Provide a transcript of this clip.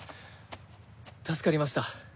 助かりました。